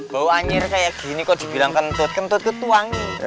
bau anjir kayak gini kok dibilang kentut kentut itu tuang